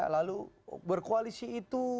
lalu berkoalisi itu